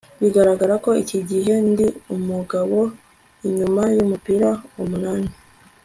bigaragara ko iki gihe ndi umugabo inyuma yumupira umunani